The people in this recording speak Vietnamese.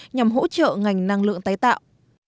nhằm hỗ trợ ngành năng lượng tái tạo